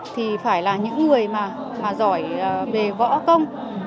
thì phải là những người mà giỏi về võ công